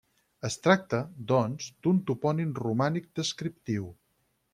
Es tracta, doncs, d'un topònim romànic descriptiu.